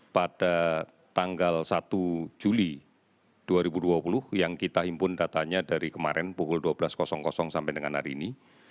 pada tanggal satu juli dua ribu dua puluh yang kita himpun datanya dari kemarin pukul dua belas sampai dengan hari ini